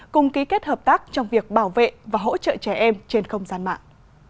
cùng ký kết hợp tác trong việc bảo vệ và hỗ trợ trẻ em trên không gian mạng